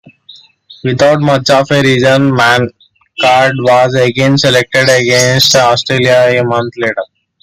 Without much of a reason, Mankad was again selected against Australia a month later.